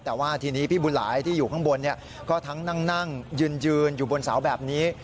แต่ว่าทีนี้พี่บุญหลายที่อยู่ข้างบนก็ทั้งนั่งยืนอยู่บนเสาแบบนี้